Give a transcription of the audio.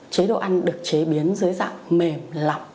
chế độ ăn được chế biến dưới dạng mềm lọc